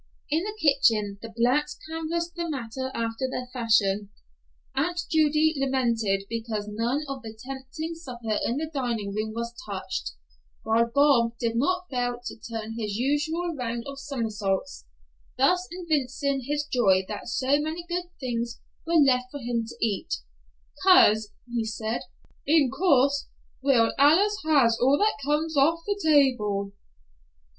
In the kitchen the blacks canvassed the matter after their fashion. Aunt Judy lamented because none of the tempting supper in the dining room was touched, while Bob did not fail to turn his usual round of somersaults, thus evincing his joy that so many good things were left for him to eat, "'Cause," said he, "in course we allus has all that comes off the table."